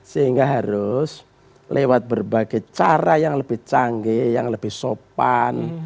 sehingga harus lewat berbagai cara yang lebih canggih yang lebih sopan